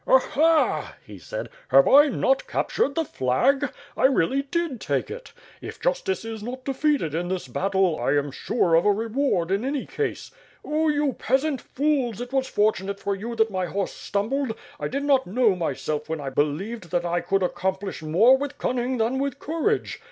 "Aha!" he said, "have I not captured the flag? I really did take it. If justice is not defeated in this battle, I am sure of a reward in any case. Oh, you peasant fools, it was fortunate for you that my horse stumbled. I did not know myself when I believed that I could accomplish more with cunning than with courage.